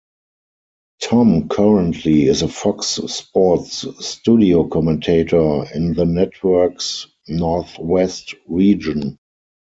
Tom currently is a Fox Sports studio commentator in the network's Northwest region.